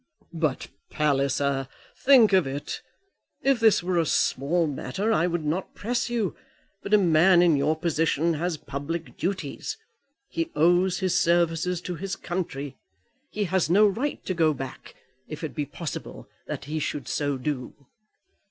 "But, Palliser, think of it. If this were a small matter, I would not press you; but a man in your position has public duties. He owes his services to his country. He has no right to go back, if it be possible that he should so do."